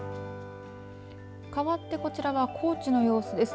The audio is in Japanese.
かわってこちらは高知の様子です。